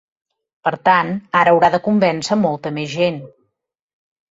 Per tant, ara haurà de convèncer molta més gent.